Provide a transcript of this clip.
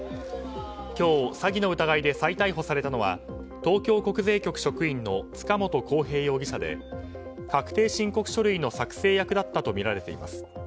今日、詐欺の疑いで再逮捕されたのは東京国税局職員の塚本晃平容疑者で確定申告書類の作成役だったとみられています。